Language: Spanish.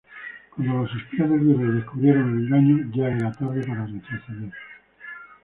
Cuando los espías del virrey descubrieron el engaño era ya tarde para retroceder.